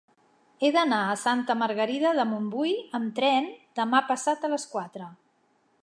He d'anar a Santa Margarida de Montbui amb tren demà passat a les quatre.